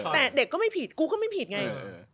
แต่เด็กก็ไม่ผิดกูก็ไม่ผิดไง